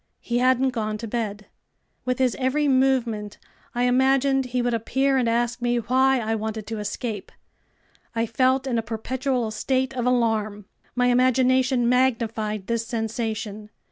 He hadn't gone to bed. With his every movement I imagined he would appear and ask me why I wanted to escape! I felt in a perpetual state of alarm. My imagination magnified this sensation.